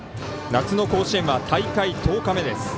夏の甲子園は大会１０日目です。